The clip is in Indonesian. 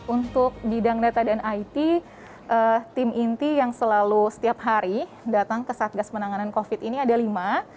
untuk bidang data dan it tim inti yang selalu setiap hari datang ke satgas penanganan covid ini ada lima